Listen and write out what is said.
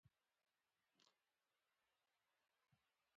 پوهه لرونکې میندې د ماشومانو د روغتیا لارښوونې تعقیبوي.